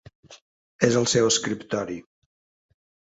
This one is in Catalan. És al seu escriptori.